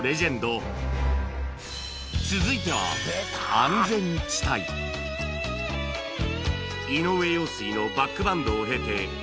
続いては井上陽水のバックバンドを経てメジャーデビュー